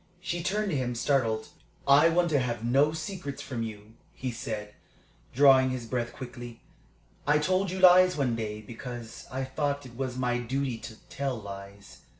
She turned to him, startled. "I want to have no secrets from you," he said, drawing his breath quickly. "I told you lies one day, because I thought it was my duty to tell lies.